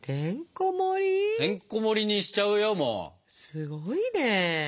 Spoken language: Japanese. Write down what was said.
すごいね。